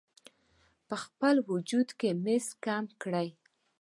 خپل وجود کې مس کم کړئ: